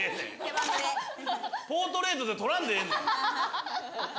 ポートレートで撮らんでええねん！